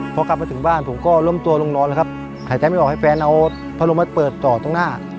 พอกลับมาถึงบ้านผมก็ล้มตัวลงนอนแล้วครับหายใจไม่ออกให้แฟนเอาพัดลมไปเปิดต่อตรงหน้า